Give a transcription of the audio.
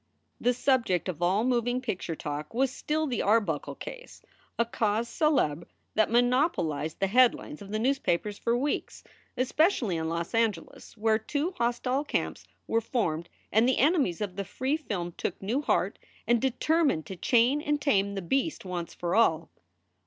The subject of all moving picture talk was still the Arbuclde case, a cause celebre that monopolized the headlines 246 SOULS FOR SALE of the newspapers for weeks, especially in Los Angeles, where two hostile camps were formed and the enemies of the free film took new heart and determined to chain and tarnc the beast once for all.